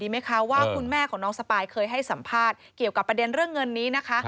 ในรายการถามตรงกับคุณจอมขวัญเอาไว้ว่ายังไงบ้างนะคะ